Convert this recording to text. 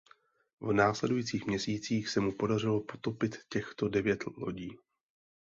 V následujících měsících se mu podařilo potopit těchto devět lodí.